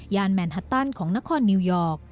แมนฮัตตันของนครนิวยอร์ก